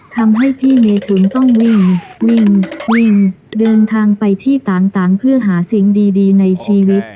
ทำให้พี่เมทุนต้องวิ่งวิ่งเดินทางไปที่ต่างเพื่อหาสิ่งดีในชีวิต